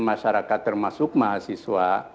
masyarakat termasuk mahasiswa